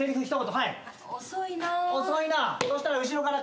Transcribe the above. はい。